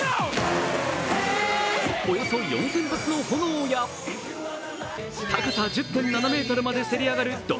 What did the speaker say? およそ４０００発の炎や高さ１０．７ｍまでせり上がるド